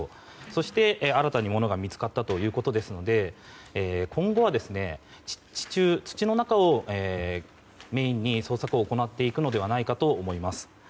そして、新たにものが見つかったということですので今後は地中、土の中をメインに捜索を行っていくのではないかと思います。